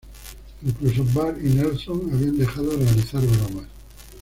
Incluso Bart y Nelson habían dejado de realizar bromas.